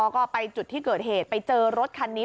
ก็ไปจุดที่เกิดเหตุไปเจอรถคันนี้